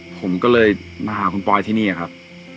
ผมก็เลยมาหาคุณปอยที่นี่ครับ